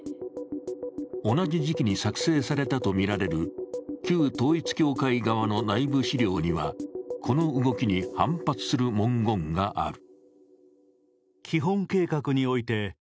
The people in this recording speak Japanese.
同じ時期に作成されたとみられる旧統一教会側の内部資料には、この動きに反発する文言がある。